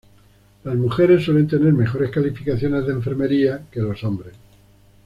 Las mujeres suelen tener mejores calificaciones de enfermería que los hombres.